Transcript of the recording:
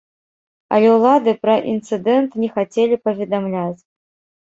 Але ўлады пра інцыдэнт не хацелі паведамляць.